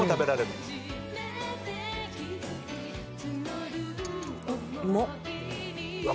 うまっ！